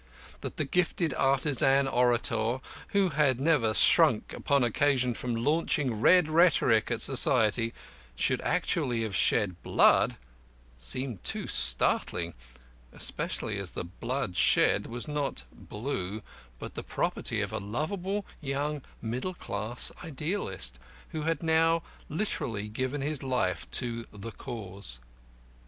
That the gifted artisan orator, who had never shrunk upon occasion from launching red rhetoric at society, should actually have shed blood seemed too startling, especially as the blood shed was not blue, but the property of a lovable young middle class idealist, who had now literally given his life to the Cause.